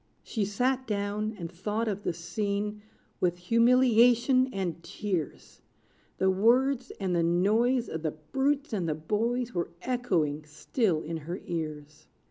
She sat down, and thought of the scene With humiliation and tears: The words, and the noise Of the brutes and the boys Were echoing still in her ears.